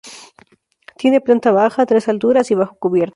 Tiene planta baja, tres alturas y bajocubierta.